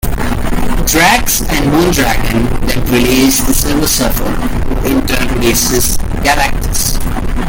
Drax and Moondragon then release the Silver Surfer, who in turn releases Galactus.